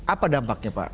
apa dampaknya pak